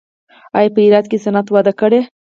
آیا په هرات کې صنعت وده کړې؟